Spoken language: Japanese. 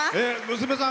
娘さん